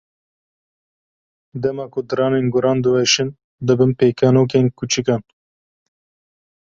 Dema ku diranên guran diweşin, dibin pêkenokên kûçikan.